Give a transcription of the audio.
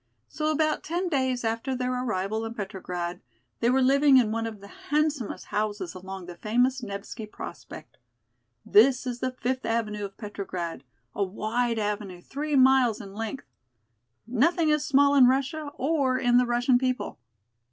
So about ten days after their arrival in Petrograd they were living in one of the handsomest houses along the famous Nevski Prospect. This is the Fifth Avenue of Petrograd, a wide avenue three miles in length. Nothing is small in Russia or in the Russian people.